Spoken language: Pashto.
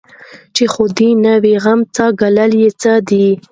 چي ښادي نه وي غم څه ګالل یې څه دي